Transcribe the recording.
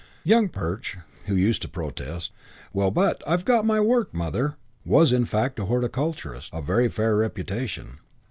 Young Perch who used to protest, "Well, but I've got my work, Mother" was in fact a horticulturist of very fair reputation.